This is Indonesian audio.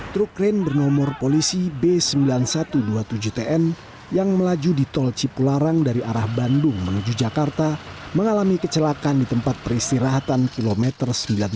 truk krain bernomor polisi b sembilan ribu satu ratus dua puluh tujuh tn yang melaju di tol cipularang dari arah bandung menuju jakarta mengalami kecelakaan di tempat peristirahatan kilometer sembilan puluh delapan